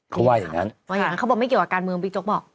เขาว่าอย่างนั้นว่าอย่างนั้นเขาบอกไม่เกี่ยวกับการเมืองบิ๊กโจ๊กบอก